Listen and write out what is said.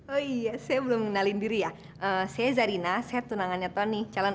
eh iya saya belum menggalahin diri ya eh saya zarina saya tunangannya toni calon